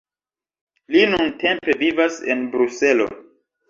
Li nuntempe vivas en Bruselo.